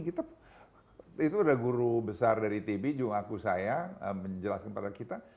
kita itu udah guru besar dari tb juga aku saya menjelaskan pada kita